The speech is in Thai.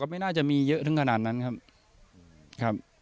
ไม่น่าจะมีเยอะถึงขนาดนั้นครับ